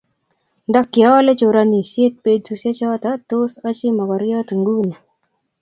ndokioole choronisiet betusiechoto, tos ochii mokoryot nguni